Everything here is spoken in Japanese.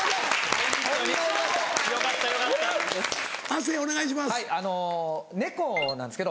亜生お願いします。